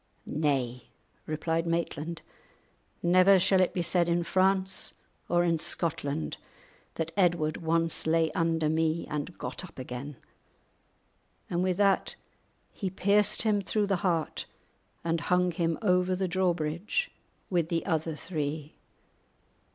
"Nay," replied Maitland, "never shall it be said in France or in Scotland that Edward once lay under me and got up again," and with that he pierced him through the heart and hung him over the drawbridge with the other three.